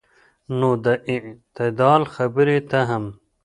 نو د اعتدال خبرې ته هم